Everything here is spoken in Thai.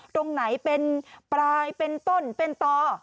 ตรงไหนเป็นปลายเป็นต้นเป็นต่อ